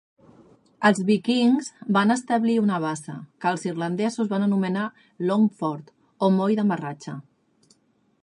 Els vikings van establir una base, que els irlandesos van anomenar "longphort", o "moll d'amarratge".